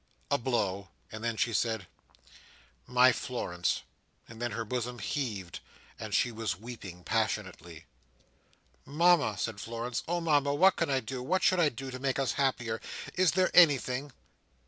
A blow." And then she said, "My Florence!" and then her bosom heaved, and she was weeping passionately. "Mama!" said Florence. "Oh Mama, what can I do, what should I do, to make us happier? Is there anything?"